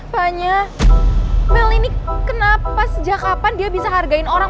soalnya mel ini kenapa sejak kapan dia bisa hargain orang